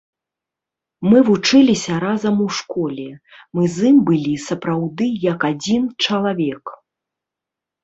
Мы вучыліся разам у школе, мы з ім былі сапраўды, як адзін чалавек.